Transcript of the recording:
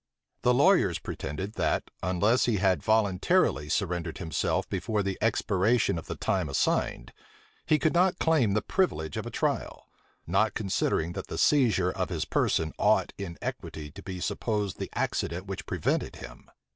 The lawyers pretended, that unless he had voluntarily surrendered himself before the expiration of the time assigned, he could not claim the privilege of a trial; not considering that the seizure of his person ought in equity to be supposed the accident which prevented him.